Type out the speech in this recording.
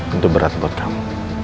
itu berat buat kamu